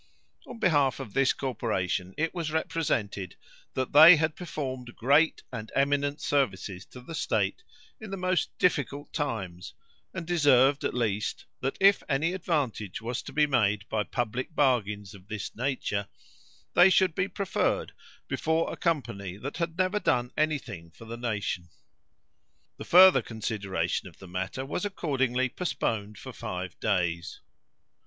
On behalf of this corporation it was represented, that they had performed great and eminent services to the state in the most difficult times, and deserved, at least, that if any advantage was to be made by public bargains of this nature, they should be preferred before a company that had never done any thing for the nation. The further consideration of the matter was accordingly postponed for five days.